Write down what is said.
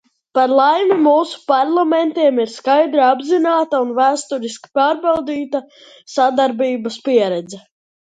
Par laimi, mūsu parlamentiem ir skaidri apzināta un vēsturiski pārbaudīta sadarbības pieredze.